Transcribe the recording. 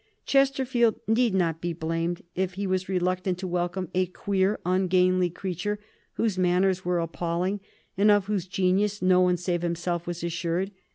Chesterfield need not be blamed if he was reluctant to welcome a queer ungainly creature whose manners were appalling, and of whose genius no one save himself was assured.